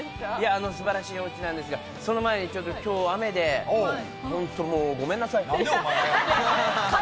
素晴らしいおうちなんですが、その前にきょう雨で本当もう、ごめんなさい。